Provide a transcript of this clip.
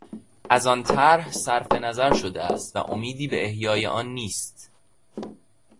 از آن طرح صرفنظر شده است و امیدی به احیای آن نیست.